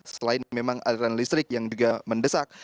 selain memang aliran listrik yang juga mendesak